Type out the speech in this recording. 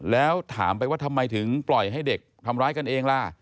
แล้วถามไปว่าทำไมถึงปล่อยให้เด็กทำร้ายกันเองล่ะ